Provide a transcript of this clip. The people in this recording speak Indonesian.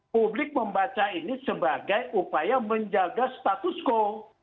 publik membaca ini sebagai upaya menjaga status quo